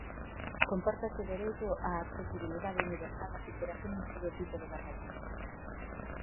Comporta ese dereito á accesibilidade universal a superación de todo tipo de barreiras.